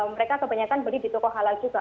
mereka kebanyakan beli di toko halal juga